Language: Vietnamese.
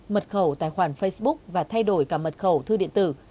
mật khẩu tài khoản facebook và thay đổi cả mật khẩu thư điện tử